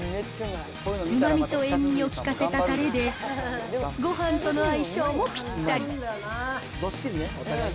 うまみと塩味を効かせたたれで、ごはんとの相性もぴったり。